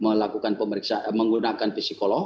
melakukan pemeriksaan menggunakan psikolog